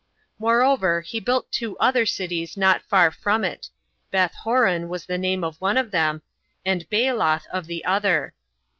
Moreover, he built two other cities not far from it, Beth horon was the name of one of them, and Baalath of the other.